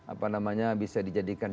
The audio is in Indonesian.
apa namanya bisa dijadikan